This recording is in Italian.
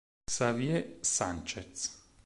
Xavier Sánchez